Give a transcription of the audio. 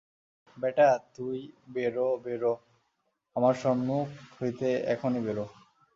বেটা, তুই বেরো, বেরো, আমার সম্মুখ হইতে এখনই বেরো।